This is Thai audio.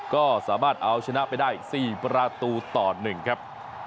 ก็สามารถเอาชนะไปได้๔ประตูต่อ๑ครับ